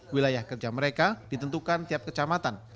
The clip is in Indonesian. wilayah kerja mereka ditentukan tiap kecamatan